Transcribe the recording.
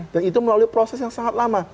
dan itu melalui proses yang sangat lama